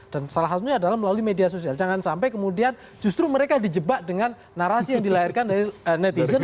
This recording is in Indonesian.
dan salah satunya adalah melalui media sosial jangan sampai kemudian justru mereka dijebak dengan narasi yang dilahirkan dari netizen